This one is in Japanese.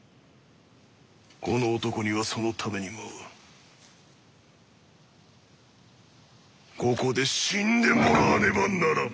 この男にはそのためにもここで死んでもらわねばならぬ。